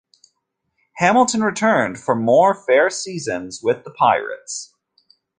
Hamilton returned for more fair seasons with the Pirates.